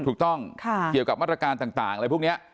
ถูกต้องเกี่ยวกับมาตรการต่างอะไรพวกนี้